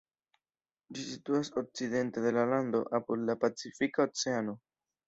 Ĝi situas okcidente de la lando, apud la Pacifika Oceano.